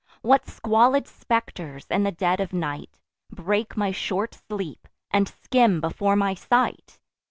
What squalid spectres, in the dead of night, Break my short sleep, and skim before my sight!